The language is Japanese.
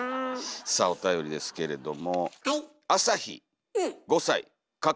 さあおたよりですけれども。